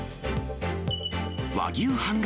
和牛半額？